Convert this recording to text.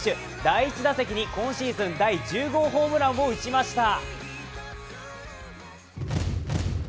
第１打席に今シーズン第１０号ホームランを打ちました。